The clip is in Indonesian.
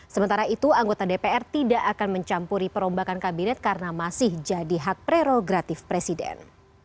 sementara itu anggota dpr tidak akan mencampuri perombakan kabinet karena masih jadi hak prerogatif presiden